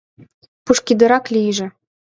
Пушкыдырак лийже.